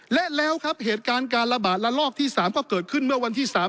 และแล้วครับเหตุการณ์การระบาดระลอกที่๓ก็เกิดขึ้นเมื่อวันที่๓